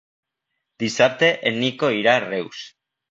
Dissabte en Nico irà a Reus.